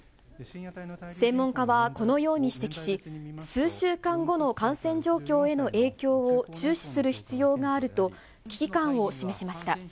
専門家はこのように指摘し、数週間後の感染状況への影響を注視する必要があると、危機感を示しました。